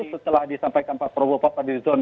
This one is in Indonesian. setelah disampaikan pak prabowo pak fadlizon